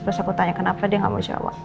terus aku tanya kenapa dia nggak mau jawab